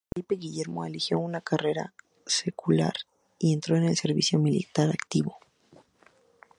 Felipe Guillermo eligió una carrera secular y entró en el servicio militar activo.